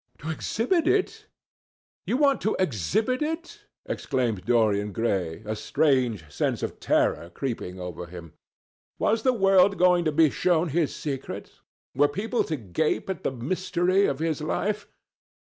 "To exhibit it! You want to exhibit it?" exclaimed Dorian Gray, a strange sense of terror creeping over him. Was the world going to be shown his secret? Were people to gape at the mystery of his life?